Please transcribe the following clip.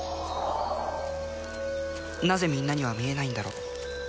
なぜみんなには見えないんだろう